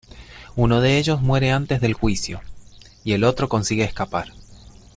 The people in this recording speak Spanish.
Uno de ellos muere antes del juicio, y el otro consigue escapar.